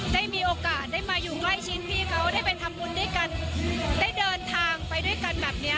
ได้มีโอกาสได้มาอยู่ใกล้ชิดพี่เขาได้ไปทำบุญด้วยกันได้เดินทางไปด้วยกันแบบเนี้ย